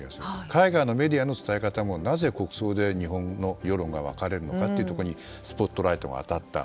海外のメディアの伝え方もなぜ、国葬で日本の世論が分かれるのかにスポットライトが当たった。